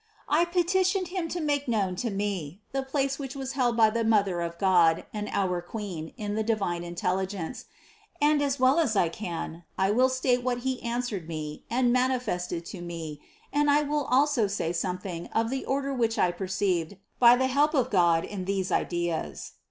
I petitioned Him to make known to me the place which was held by the Mother of God and our THE CONCEPTION 51 Queen in the divine intelligence ; and, as well as I can, I will state what He answered me and manifested to me and I will also say something of the order which I perceived by the help of God in these ideas.